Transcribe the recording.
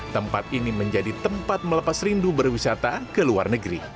tempat ini menjadi tempat melepas rindu berwisata ke luar negeri